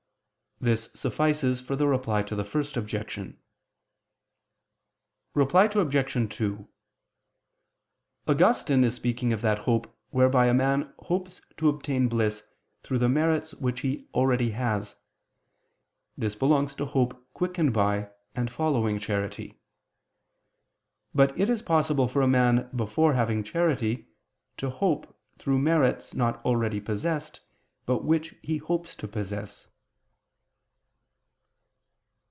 This suffices for the Reply to the First Objection. Reply Obj. 2: Augustine is speaking of that hope whereby a man hopes to obtain bliss through the merits which he has already: this belongs to hope quickened by and following charity. But it is possible for a man before having charity, to hope through merits not already possessed, but which he hopes to possess.